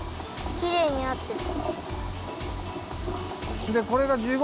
きれいになってる。